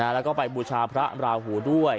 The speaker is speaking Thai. แล้วก็ไปบูชาพระราหูด้วย